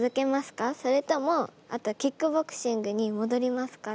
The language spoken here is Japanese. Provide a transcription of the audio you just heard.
それともキックボクシングに戻りますか？